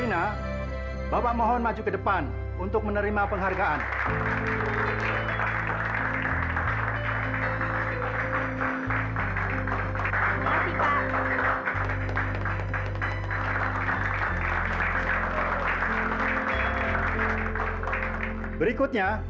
nah doto mungkin seperti itu